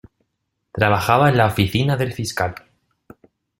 Trabajaba en la oficina del fiscal.